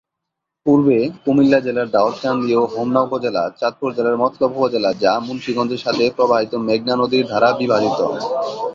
পূর্বে-কুমিল্লা জেলার দাউদকান্দি ও হোমনা উপজেলা, চাঁদপুর জেলার মতলব উপজেলা যা মুন্সিগঞ্জের সাথে প্রবাহিত মেঘনা নদীর দ্বারা বিভাজিত।